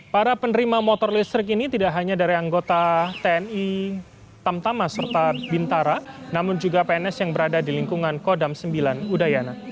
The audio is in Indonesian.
para penerima motor listrik ini tidak hanya dari anggota tni tamtama serta bintara namun juga pns yang berada di lingkungan kodam sembilan udayana